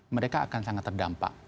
mereka akan sangat terdampak